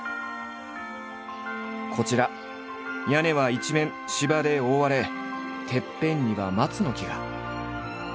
こちら屋根は一面芝で覆われてっぺんには松の木が。